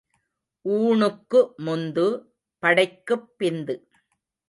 ஊணுக்கு முந்து, படைக்குப் பிந்து.